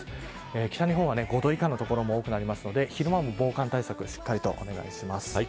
北日本は５度以下の所も多くなるので昼間も防寒対策をしっかりとお願いします。